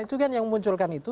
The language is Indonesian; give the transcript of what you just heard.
itu kan yang memunculkan itu